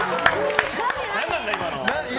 何なんだ、今の。